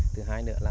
thứ hai nữa là nó